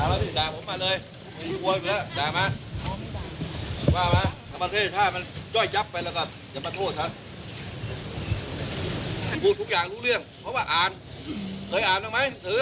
อย่ามาโทษฮะพูดทุกอย่างรู้เรื่องเพราะว่าอ่านเคยอ่านบ้างไหมสื่อ